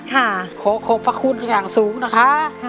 โหมภพรรคุณอย่างสูงนะคะ